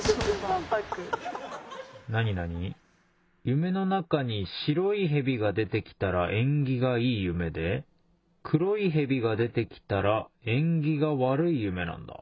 夢の中に白い蛇が出てきたら縁起がいい夢で黒い蛇が出てきたら縁起が悪い夢なんだ。